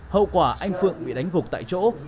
hậu quả anh phượng bị đánh gục tại chỗ